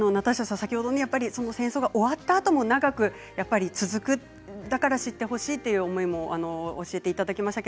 戦争が終わったあとも長く続くだから知ってほしいという思いを教えていただきました。